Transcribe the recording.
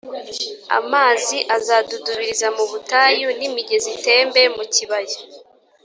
amazi azadudubiriza mu butayu n imigezi itembe mu kibaya